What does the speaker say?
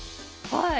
はい。